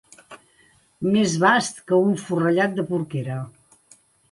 Més bast que un forrellat de porquera.